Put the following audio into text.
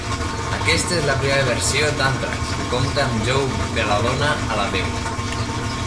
Aquesta és la primera versió d'Antrax que compta amb Joey Belladonna a la veu.